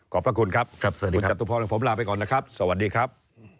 พระคุณครับสวัสดีคุณจตุพรผมลาไปก่อนนะครับสวัสดีครับ